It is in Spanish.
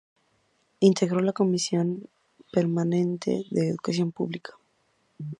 Integró la comisión permanente de Educación Pública.